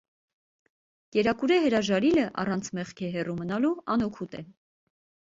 Կերակուրէ հրաժարիլը առանց մեղքէ հեռու մնալու՝ անօգուտ է։